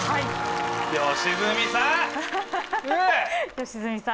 良純さん